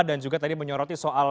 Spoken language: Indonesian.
dan juga tadi menyoroti soal